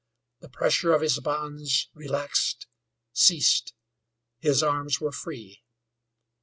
The pressure of his bonds relaxed, ceased; his arms were free.